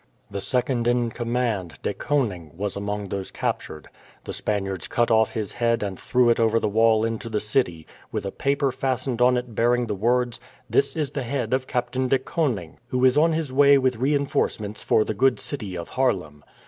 The second in command, De Koning, was among those captured. The Spaniards cut off his head and threw it over the wall into the city, with a paper fastened on it bearing the words: "This is the head of Captain De Koning, who is on his way with reinforcements for the good city of Haarlem."